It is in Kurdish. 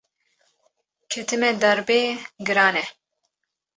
Ketime derbê giran e